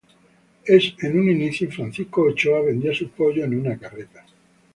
En un inicio Francisco Ochoa vendía sus pollos en una carreta.